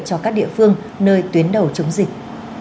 cho các địa phương nơi tuyến đầu chống dịch